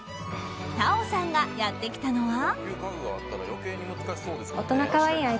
Ｔａｏさんがやってきたのは。